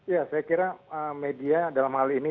ya saya kira media dalam hal ini